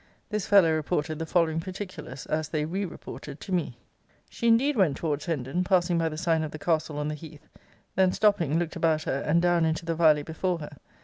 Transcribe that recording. This fellow reported the following particulars, as they re reported to me: 'She indeed went towards Hendon, passing by the sign of the Castle on the Heath; then, stopping, looked about her, and down into the valley before her.